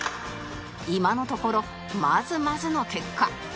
今のところまずまずの結果